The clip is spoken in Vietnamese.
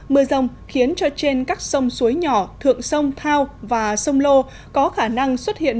mưa rông khiến cho trên các sông suối nhỏ thượng sông thao và sông lô có khả năng xuất hiện